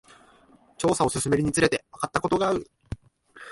調査を進めるにつれて、わかったことがある。